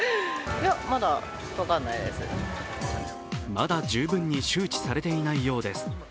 まだ十分に周知されていないようです。